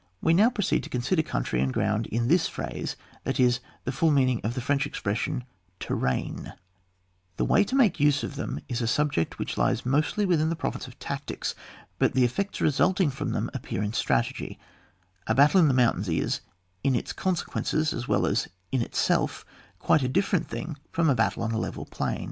We now proceed to consider country and g^und in this phase, that is, in tiie full meaning of the French ex pression " TerrainJ^ The way to make use of them is a sub ject which lies mostly within the province of tactics, but the effects resulting from them appear in strategy ; a battle in the mountains is, in its consequences as well as in itself, quite a different thing from a battle on a level plain.